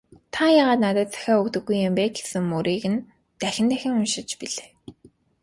"Та яагаад надад захиа өгдөггүй юм бэ» гэсэн мөрийг нь дахин дахин уншиж билээ.